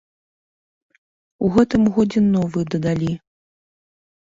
У гэтым годзе новы дадалі.